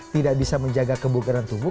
tidak bisa menjaga kebugaran tubuh